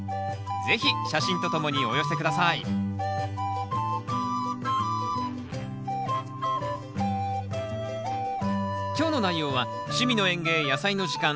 是非写真とともにお寄せ下さい今日の内容は「趣味の園芸やさいの時間」